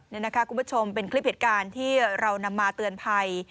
นี่นะคะคุณผู้ชมเป็นคลิปเหตุการณ์ที่เรานำมาเตือนภัย